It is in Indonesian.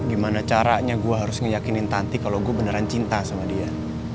gimana caranya gue harus ngeyakinin tanti kalau gue beneran cinta sama dia